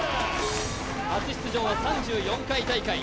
初出場は３４回大会。